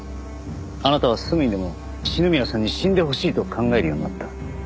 あなたはすぐにでも篠宮さんに死んでほしいと考えるようになった。